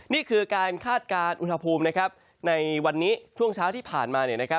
นี่คือการคาดการณ์อุณหภูมิในวันนี้ช่วงเช้าที่ผ่านมา